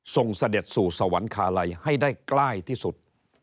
เสด็จสู่สวรรคาลัยให้ได้ใกล้ที่สุด